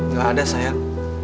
gak ada sayang